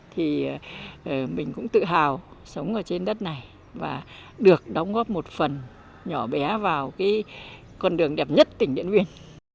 thì mình cũng tự hào sống ở trên đất này và được đóng góp một phần nhỏ bé vào cái con đường đẹp nhất tỉnh điện biên